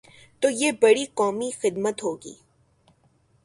تو یہ بڑی قومی خدمت ہو گی۔